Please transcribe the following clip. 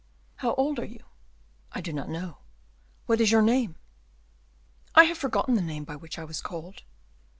"How old are you?" "I do not know." "What is your name?" "I have forgotten the name by which I was called."